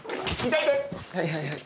はいはい。